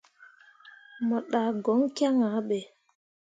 Mo ɗah goŋ kyaŋ ah ɓe.